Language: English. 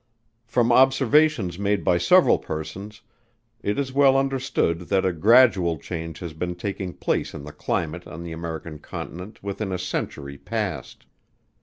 From observations made by several persons, it is well understood that a gradual change has been taking place in the climate on the American continent within a century past.